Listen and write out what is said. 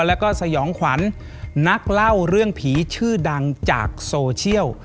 แล้วก็สยองขวัญนักเล่าเรื่องผีชื่อดังจากโซเชียล